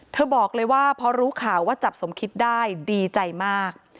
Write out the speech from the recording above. บอกเลยว่าพอรู้ข่าวว่าจับสมคิดได้ดีใจมาก